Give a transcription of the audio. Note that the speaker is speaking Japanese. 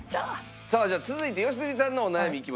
さあじゃあ続いて良純さんのお悩みいきましょうか。